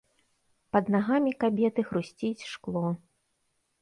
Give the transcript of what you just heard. Пад нагамі кабеты хрусціць шкло.